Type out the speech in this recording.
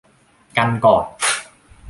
กันก่อน